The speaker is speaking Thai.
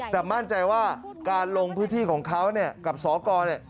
แต่มั่นใจว่าการลงพื้นที่ของเขาเนี่ยกับสกเนี่ย